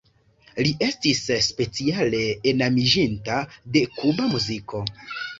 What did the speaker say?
Li estis speciale enamiĝinta de Kuba muziko.